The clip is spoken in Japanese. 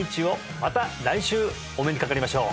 また来週お目にかかりましょう！